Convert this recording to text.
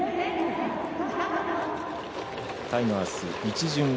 タイガース、一巡。